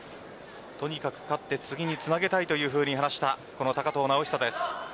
とにかく勝って次につなげたいというふうに話した高藤直寿です。